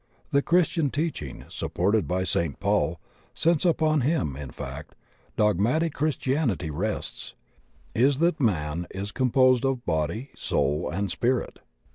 The Christian teaching, supported by St. Paul, since upon him, in fact, dogmatic Christianity rests, is that man is composed of body, soul, and spirit.